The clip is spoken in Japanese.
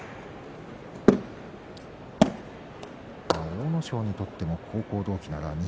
阿武咲にとっても高校の同期ならば錦